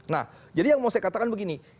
nah jadi yang mau saya katakan begini